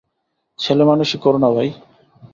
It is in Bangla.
ছেলেমানুষি কোরো না ভাই!